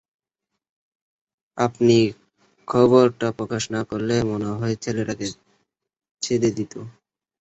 আপনি খবরটা প্রকাশ না করলে, মনে হয় ছেলেটাকে ছেড়ে দিতো।